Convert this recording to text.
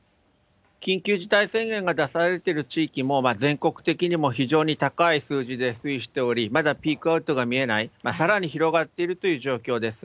緊急事態宣言が出されている地域も、全国的にも非常に高い数字で推移しており、まだピークアウトが見えない、さらに広がっているという状況です。